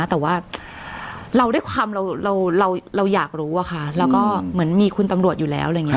แต่ว่าเราด้วยความเราอยากรู้อะค่ะแล้วก็เหมือนมีคุณตำรวจอยู่แล้วอะไรอย่างนี้